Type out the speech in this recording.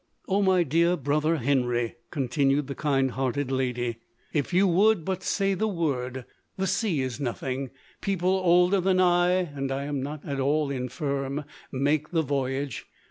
" O my dear brother Henry," continued the kind hearted lady, " if you would but say the LODOIU.. 245 word — the sea is nothing ; people older than I — and I am not at all infirm — make the voyage.